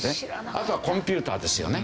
あとはコンピューターですよね。